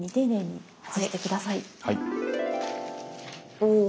お！